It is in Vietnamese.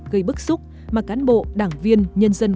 gây bức xúc mà cán bộ đảng viên nhân dân